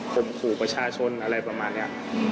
มขู่ประชาชนอะไรประมาณนี้